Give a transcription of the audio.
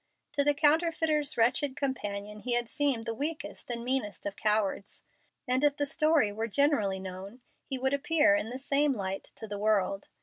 To the counterfeiter's wretched companion he had seemed the weakest and meanest of cowards, and if the story were generally known he would appear in the same light to the world.